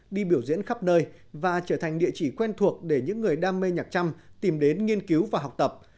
đi biểu diễn khắp nơi và trở thành địa chỉ quen thuộc để những người đam mê nhạc trăm tìm đến nghiên cứu và học tập